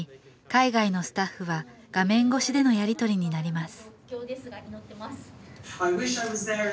海外のスタッフは画面越しでのやり取りになります